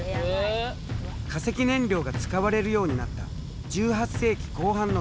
化石燃料が使われるようになった１８世紀後半の産業革命からだ。